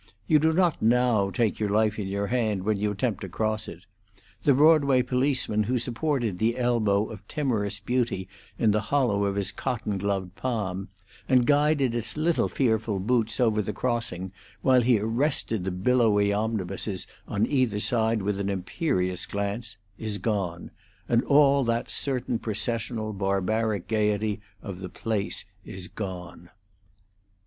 You do not now take your life in your hand when you attempt to cross it; the Broadway policeman who supported the elbow of timorous beauty in the hollow of his cotton gloved palm and guided its little fearful boots over the crossing, while he arrested the billowy omnibuses on either side with an imperious glance, is gone, and all that certain processional, barbaric gayety of the place is gone.